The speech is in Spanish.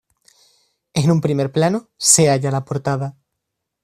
En un primer plano, se halla la portada.